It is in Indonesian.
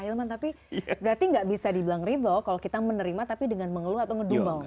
hilman tapi berarti nggak bisa dibilang ridho kalau kita menerima tapi dengan mengeluh atau ngedumel